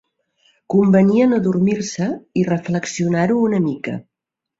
Convenia no dormir-se i reflexionar-ho una mica.